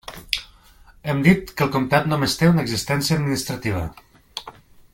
Hem dit que el comtat només té una existència administrativa.